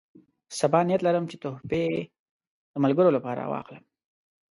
سبا نیت لرم چې تحفې د ملګرو لپاره واخلم.